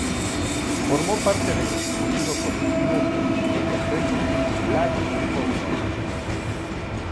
Formó parte del extinguido colectivo multimedia sueco "Lucky People Center".